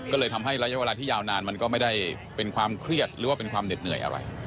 ก็เลยทำให้ระยะเวลาที่ยาวนานมันก็ไม่ได้เป็นความเครียดหรือว่าเป็นความเหน็ดเหนื่อยอะไร